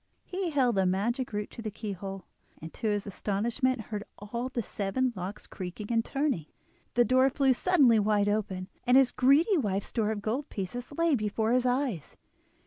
He held the magic root to the keyhole, and to his astonishment heard all the seven locks creaking and turning, the door flew suddenly wide open, and his greedy wife's store of gold pieces lay before his eyes.